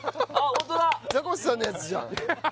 ホントだザコシさんのやつじゃん